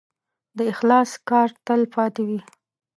د اخلاص کار تل پاتې وي.